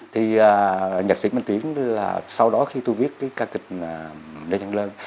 thì nhạc sĩ mạnh tiến là sau đó khi tôi viết cái ca kịch nơi chẳng lên